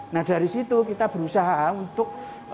nah dari situ kita berusaha untuk